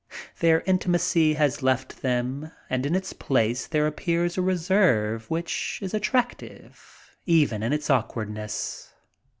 Their intimacy has left them and in its place there appears a reserve which is attractive even in its awkwardness.